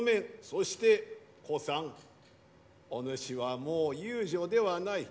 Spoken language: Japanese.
そして小さんお主はもう遊女ではない。